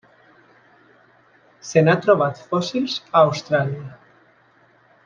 Se n'ha trobat fòssils a Austràlia.